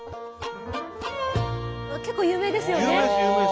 結構有名ですよね。